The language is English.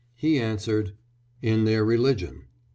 He answered: "In their religion."